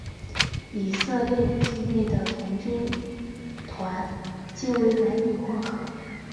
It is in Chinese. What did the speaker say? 以色列境内的童军团皆为男女混合。